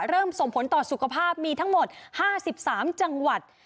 เริ่มส่งผลต่อสุขภาพมีทั้งหมดห้าสิบสามจังหวัด